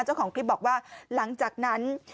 เจ้าของคลิปบอกว่าหลังจากนั้น